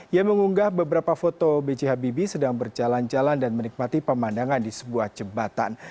ia mengunggah beberapa foto b j habibie sedang berjalan jalan dan menikmati pemandangan di sebuah jembatan